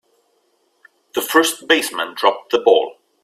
The first baseman dropped the ball.